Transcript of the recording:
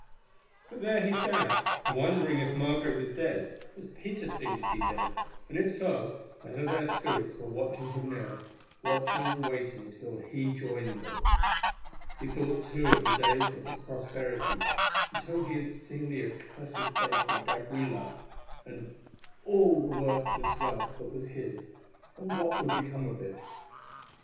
So there he sat, wondering if Margaret was dead, as Peter seemed to be dead, and if so, whether their spirits were watching him now, watching and waiting till he joined them. He thought, too, of the days of his prosperity until he had seen the accursed face of d'Aguilar, and of all the worthless wealth that was his, and what would become of it.